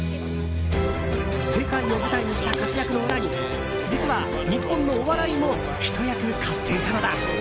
世界を舞台にした活躍の裏に実は、日本のお笑いもひと役買っていたのだ。